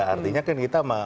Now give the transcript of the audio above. artinya kan kita